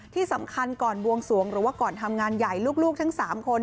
ที่สำคัญก่อนบวงสวงหรือว่าก่อนทำงานใหญ่ลูกทั้ง๓คน